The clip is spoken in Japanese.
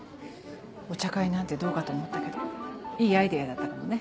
お茶会なんてどうかと思ったけどいいアイデアだったかもね。